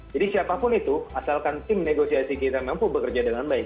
jadi siapapun itu asalkan tim negosiasi kita mampu bekerja dengan baik